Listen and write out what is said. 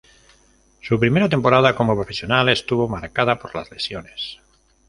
Su primera temporada como profesional estuvo marcada por las lesiones.